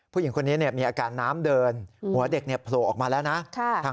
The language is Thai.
ผู้หญิงคนนี้มีอาการน้ำเดินหัวเด็กโผล่ออกมาแล้วนะ